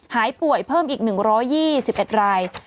หายป่วยเพิ่มอีก๑๒๑ราย